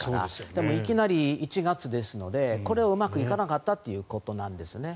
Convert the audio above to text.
でも、いきなり１月ですのでこれがうまくいかなかったということなんですね。